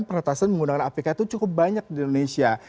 peretasan menggunakan apk itu cukup banyak di indonesia